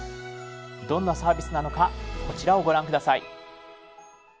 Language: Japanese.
どんなサービスなのかこちらをご覧下さい。